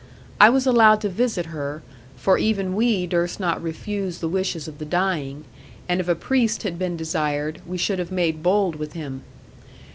I was allowed to visit her, for even we durst not refuse the wishes of the dying; and if a priest had been desired, we should have made bold with him.